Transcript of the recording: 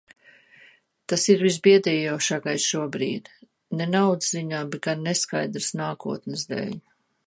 Tas ir visbiedējošākais šobrīd, ne naudas ziņā, bet gan neskaidras nākotnes dēļ.